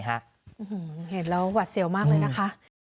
เห็นแล้วหวัดเสี่ยวมากเลยนะคะ